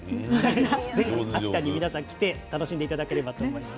ぜひ秋田に来て楽しんでいただければと思います。